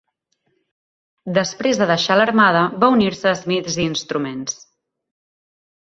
Després de deixar l'armada, va unir-se a Smiths Instruments.